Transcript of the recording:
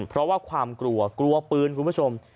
เพราะว่าความกลัวกลัวปืนคุณผู้ชม